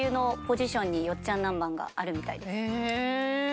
へえ。